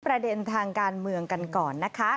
ประเด็นทางการเมืองกันก่อนนะคะ